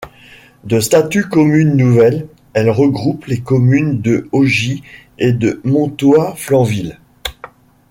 De statut commune nouvelle, elle regroupe les communes de Ogy et de Montoy-Flanville.